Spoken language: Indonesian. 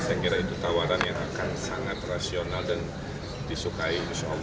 saya kira itu tawaran yang akan sangat rasional dan disukai